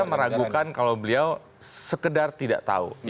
saya meragukan kalau beliau sekedar tidak tahu